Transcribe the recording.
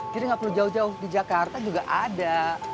nggak perlu jauh jauh di jakarta juga ada